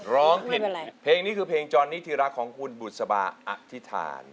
ร้องผิดเพลงนี้คือเพลงจรนิธิรักของคุณบุษบาอธิษฐาน